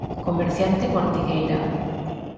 Comerciante en Ortigueira.